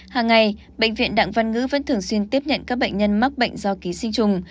hàng ngày bệnh viện đặng văn ngữ vẫn thường xuyên tiếp nhận các bệnh nhân mắc bệnh do ký sinh trùng